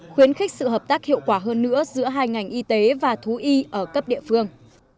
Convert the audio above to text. khuyến khích sự hợp tác hiệu quả hơn nữa giữa hai ngành y tế và thú y ở cấp địa phương